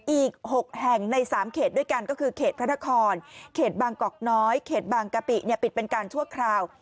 อีก๖แห่งใน๓เขตด้วยกันก็คือเขตพระนครเขตบางกอกน้อยเขตบางกะปิปิดเป็นการชั่วคราว